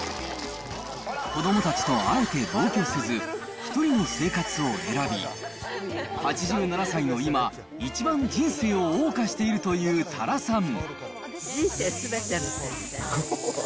子どもたちとあえて同居せず、ひとりの生活を選び、８７歳の今、一番人生をおう歌しているという多良さん。